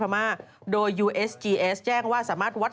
สนับสนุนโดยดีที่สุดคือการให้ไม่สิ้นสุด